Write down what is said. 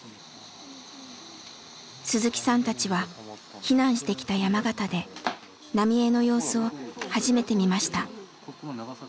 鈴木さんたちは避難してきた山形で浪江の様子を初めて見ました。